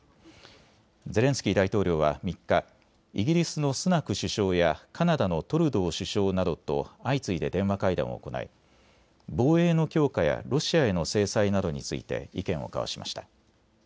ゼレンスキー大統領は３日、イギリスのスナク首相やカナダのトルドー首相などと相次いで電話会談を行い、防衛の強化やロシアへの制裁などについて意見を交わしました。